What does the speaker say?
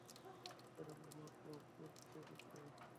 যারা মহৎ ও পূতপবিত্র।